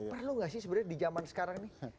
perlu nggak sih sebenarnya di zaman sekarang nih